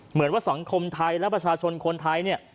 เหมือนว่าสังคมไทยและประชาชนคนไทยเนี่ย